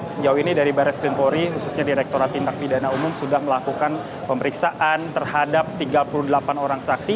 sejauh ini dari baris krimpori khususnya direkturat tindak pidana umum sudah melakukan pemeriksaan terhadap tiga puluh delapan orang saksi